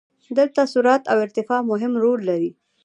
دلته سرعت او ارتفاع مهم رول لري.